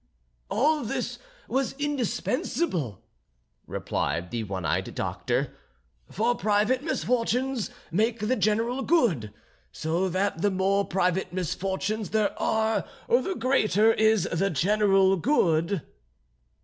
"All this was indispensable," replied the one eyed doctor, "for private misfortunes make the general good, so that the more private misfortunes there are the greater is the general good."